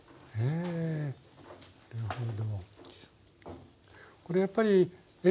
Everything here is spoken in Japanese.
えなるほど。